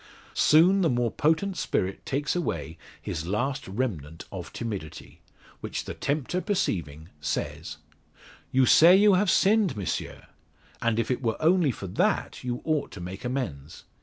Soon the more potent spirit takes away his last remnant of timidity, which the tempter perceiving, says: "You say you have sinned, Monsieur. And if it were only for that you ought to make amends."